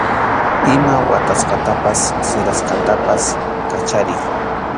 Ima watasqatapas sirasqatapas kachariy.